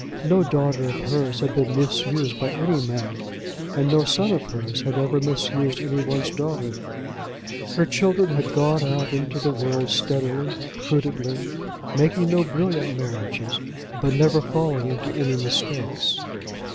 No daughter of hers had been misused by any man, and no son of hers had ever misused any one's daughter. Her children had gone out into the world steadily, prudently, making no brilliant marriages, but never falling into any mistakes.